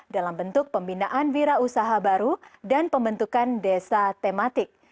dalam bentuk pembinaan wira usaha baru dan pembentukan desa tematik